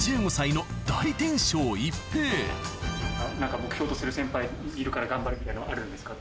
目標とする先輩いるから頑張るみたいのあるんですかね？